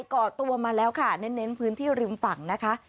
ก่อตัวมาแล้วค่ะเน้นพื้นที่ริมฝั่งนะคะ